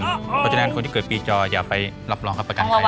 เพราะฉะนั้นคนที่เกิดปีจออย่าไปรับรองครับประกันภัย